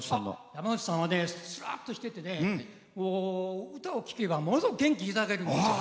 山内さんはすらっとしててね歌を聴けば、ものすごい元気をいただけるんです。